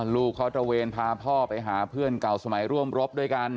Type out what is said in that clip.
ลูกเขาตระเวนพาพ่อไปหาเพื่อนเก่าสมัยร่วมรบด้วยกัน